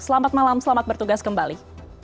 selamat malam selamat bertugas kembali